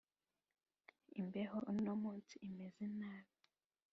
imbeho uno munsi imeze nabi